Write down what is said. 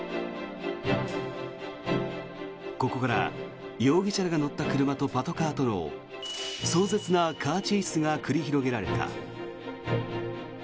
ここから容疑者らが乗った車とパトカーとの壮絶なカーチェイスが繰り広げられた。